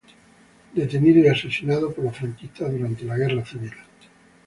Fue detenido y asesinado por los franquistas durante la Guerra Civil.